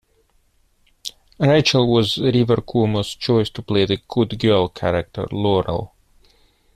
Rachel was Rivers Cuomo's choice to play the "good girl" character, Laurel.